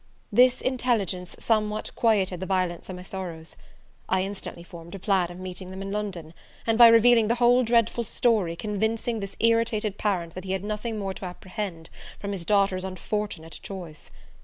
This intelligence somewhat quieted the violence of my sorrows. I instantly formed a plan of meeting them in London, and, by revealing the whole dreadful story, convincing this irritated parent that he had nothing more to apprehend from his daughter's unfortunate choice.